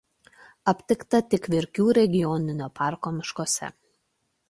Aptikta tik Verkių regioninio parko miškuose.